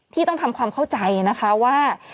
ที่ต้องทำความเข้าใจนะคะว่า